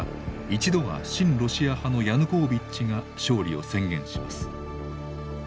一度は親ロシア派のヤヌコービッチが勝利を宣言します。